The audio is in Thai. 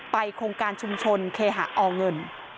โครงการชุมชนเคหะอเงิน